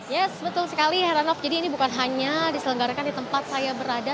yes betul sekali heranov jadi ini bukan hanya diselenggarakan di tempat saya berada